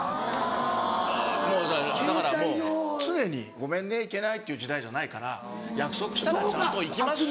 常に「ごめんね行けない」っていう時代じゃないから約束したらちゃんと行きます。